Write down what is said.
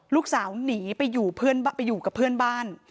ลูกสาวหนีไปอยู่กับเพื่อนบ้าน